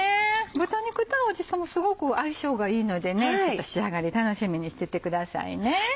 豚肉と青じそもすごく相性がいいのでちょっと仕上がり楽しみにしててくださいね。